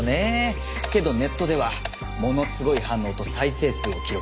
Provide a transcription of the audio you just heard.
けどネットではものすごい反応と再生数を記録。